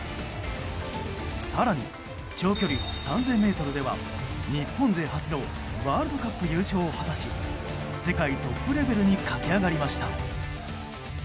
更に、長距離３０００ｍでは日本勢初のワールドカップ優勝を果たし世界トップレベルに駆け上がりました。